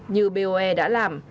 như boe đã làm